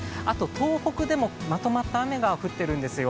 東北でもまとまった雨が降っているんですよ。